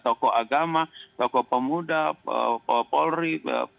tokoh agama tokoh pemuda polri